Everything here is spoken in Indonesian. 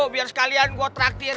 biar sekalian gue traktir